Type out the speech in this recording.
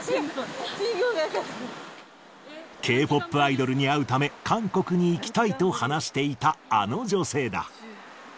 Ｋ−ＰＯＰアイドルに会うため、韓国に行きたいと話していたあの女性だ。